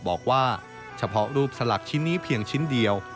บอกว่าเฉพาะรูปสลักชิ้นนี้เพียงชิ้นเดียว